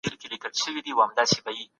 د ازموینې څارنه اسانه وي.